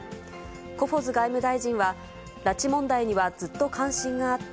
コフォズ外務大臣は、拉致問題にはずっと関心があった。